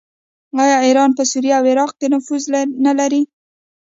آیا ایران په سوریه او عراق کې نفوذ نلري؟